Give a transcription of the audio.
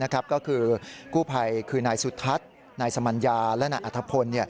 ก็คือกู้ภัยคือนายสุทัศน์นายสมัญญาและนายอัธพล